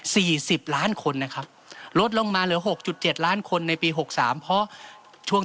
สิบล้านคนนะครับลดลงมาเหลือหกจุดเจ็ดล้านคนในปีหกสามเพราะช่วง